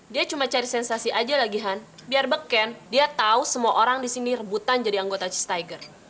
dia cuma cari sensasi aja lagi han biar beken dia tau semua orang disini rebutan jadi anggota cheers tiger